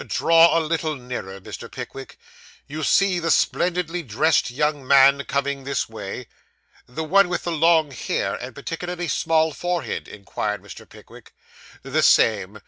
Draw a little nearer, Mr. Pickwick. You see the splendidly dressed young man coming this way?' 'The one with the long hair, and the particularly small forehead?' inquired Mr. Pickwick. 'The same.